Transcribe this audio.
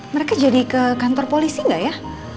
mereka jadi ke kantor polisi nggak ya